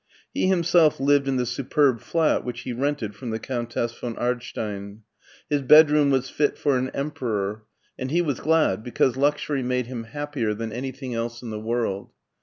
He himself lived in the superb flat which he rented from the Countess von Ardstein. His bedroom was fit for ail emperor, and he was glad, because luxury BERLIN i97 made him happier than anything else in the world.